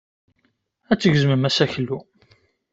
Ad tgezmem aseklu.